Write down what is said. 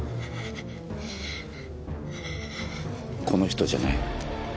この人じゃない？